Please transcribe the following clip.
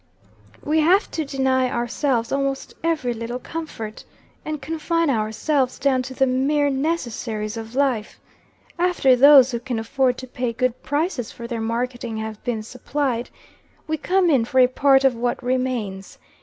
"We have to deny ourselves almost every little comfort, and confine ourselves down to the mere necessaries of life. After those who can afford to pay good prices for their marketing have been supplied, we come in for a part of what remains.